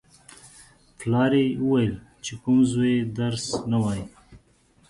پلار یې ویل: چې کوم زوی درس نه وايي.